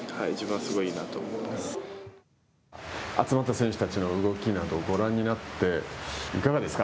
選手たちの動きなどをご覧になっていかがですか。